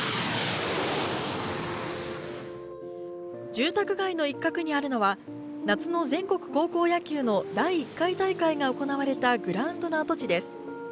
住宅街の一角にあるのは夏の全国高校野球の第１回大会が行われたグラウンドの跡地です。